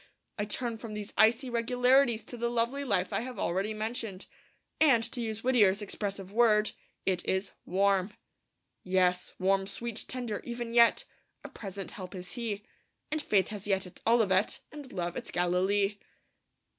I turn from these icy regularities to the lovely life I have already mentioned. And, to use Whittier's expressive word, it is 'warm.' Yes, warm, sweet, tender, even yet A present help is He; And faith has yet its Olivet, And love its Galilee.